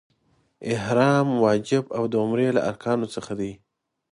احرام واجب او د عمرې له ارکانو څخه دی.